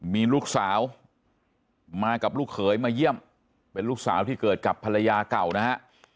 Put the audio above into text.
มีลูกสาวมากับลูกเขยมาเยี่ยมเป็นลูกสาวที่เกิดกับภรรยาเก่านะฮะ